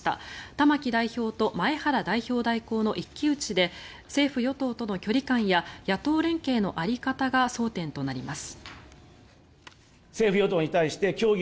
玉木代表と前原代表代行の一騎打ちで政府与党との距離感や野党連携の在り方が争点となります。